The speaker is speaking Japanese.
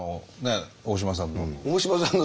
大島さんの。